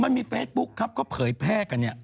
มันมีเฟซบุ๊คครับก็เผยแพร่กันเนี่ย